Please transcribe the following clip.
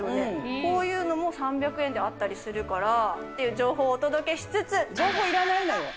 こういうのも３００円であったりするからっていう情報をお届けし情報いらないのよ。